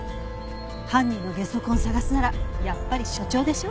犯人のゲソ痕捜すならやっぱり所長でしょ。